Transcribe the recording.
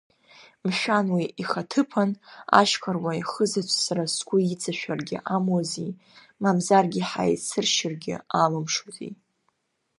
Мшәан, уи ихаҭыԥан, ашьхаруа ихызаҵә сара сгәы иҵашәаргьы амуази, мамзаргьы ҳаицыршьыргьы алымшози?